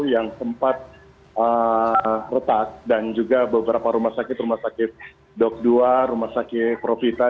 yang sempat retak dan juga beberapa rumah sakit rumah sakit dok dua rumah sakit profita